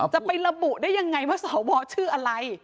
จะไประบุได้ยังไงว่าสวชื่ออะไร